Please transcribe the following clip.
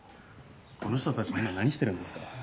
この人たち今何してるんですか？